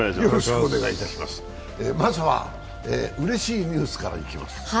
まずはうれしいニュースからいきます。